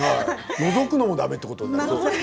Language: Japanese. のぞくのもだめということですね。